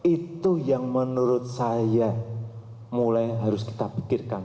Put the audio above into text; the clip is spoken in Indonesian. itu yang menurut saya mulai harus kita pikirkan